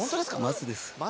マスです。